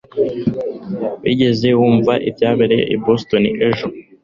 wigeze wumva ibyabereye i boston ejo